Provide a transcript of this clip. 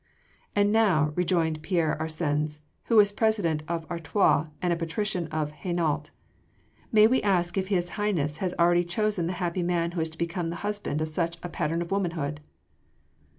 "And," now rejoined Pierre Arsens, who was president of Artois and a patrician of Hainault, "may we ask if His Highness has already chosen the happy man who is to become the husband of such a pattern of womanhood?"